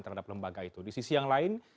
terhadap lembaga itu di sisi yang lain